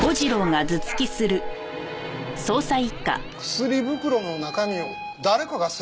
薬袋の中身を誰かがすり替えた？